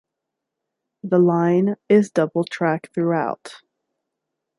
The line is double track throughout.